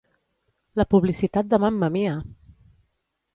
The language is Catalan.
La publicitat de Mamma Mia!